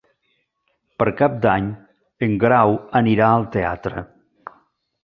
Per Cap d'Any en Grau anirà al teatre.